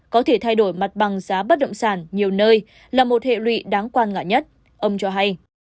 có thể thay đổi mặt bằng giá bất động sản nhiều nơi là một hệ lụy đáng quan ngại nhất ông cho hay